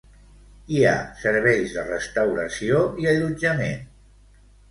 Hi ha serveis de restauració i allotjament.